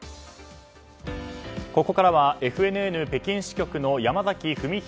ここからはＦＮＮ北京支局の山崎文博